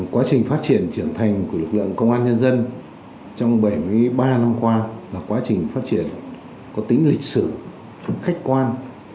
quá trình phát triển trưởng thành của lực lượng công an nhân dân trong bảy mươi ba năm qua là quá trình phát triển có tính lịch sử khách quan